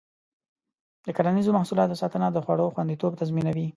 د کرنیزو محصولاتو ساتنه د خوړو خوندیتوب تضمینوي.